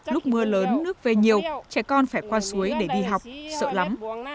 lúc mưa lớn nước về nhiều trẻ con phải qua suối để đi học sợ lắm